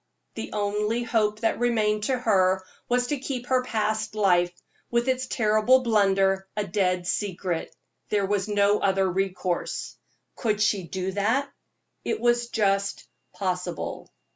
The only hope that remained to her was to keep her past life, with its terrible blunder, a dead secret there was no other resource. Could she do that? It was just possible.